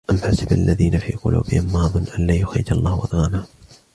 أَمْ حَسِبَ الَّذِينَ فِي قُلُوبِهِمْ مَرَضٌ أَنْ لَنْ يُخْرِجَ اللَّهُ أَضْغَانَهُمْ